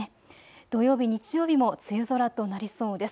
土曜日、日曜日も梅雨空となりそうです。